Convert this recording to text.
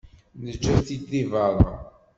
Neǧǧa-t-id di berra.